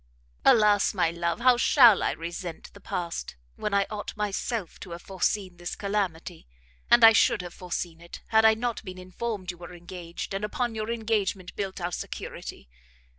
"Alas, my love, how shall I resent the past, when I ought myself to have foreseen this calamity! and I should have foreseen it, had I not been informed you were engaged, and upon your engagement built our security.